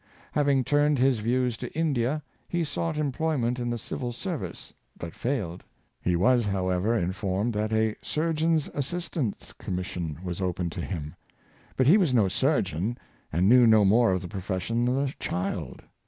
Having turned his views to India, he sought employment in the civil ser vice, but failed. He was however informed that a sur geon's assistant's commission was open to him. But he was no surgeon, and knew no more of the profession than a child.